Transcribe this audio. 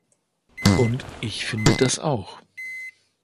Und ich finde das auch.